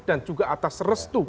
dan juga atas pengetahuan